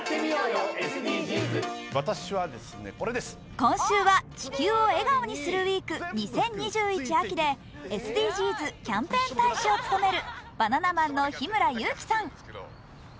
今週は「地球を笑顔にするＷＥＥＫ２０２１秋」でＳＤＧｓキャンペーン大使を務めるバナナマンの日村勇紀さん。